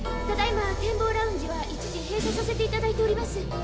ただいま展望ラウンジは一時閉鎖させていただいております。